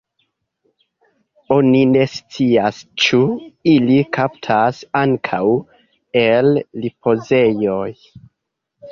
Oni ne scias ĉu ili kaptas ankaŭ el ripozejoj.